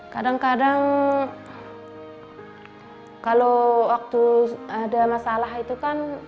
kadang kadang kalau waktu ada masalah itu kan